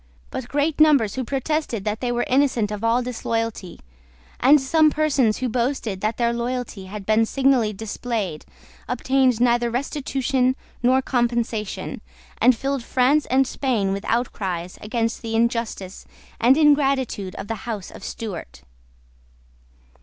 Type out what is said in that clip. But great numbers who protested that they were innocent of all disloyalty, and some persons who boasted that their loyalty had been signally displayed, obtained neither restitution nor compensation, and filled France and Spain with outcries against the injustice and ingratitude of the House of Stuart.